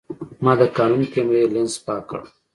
ما د کانون کیمرې لینز پاک کړ.